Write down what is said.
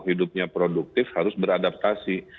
hidupnya produktif harus beradaptasi